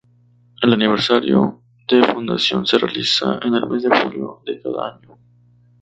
El aniversario de fundación se realiza en el mes de julio de cada año.